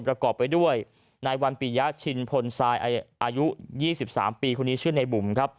ประกอบไปด้วยนายวันปียะชินพลทรายอายุ๒๓ปีคนนี้ชื่อในบุ๋มครับ